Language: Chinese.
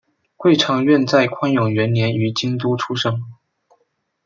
桂昌院在宽永元年于京都出生。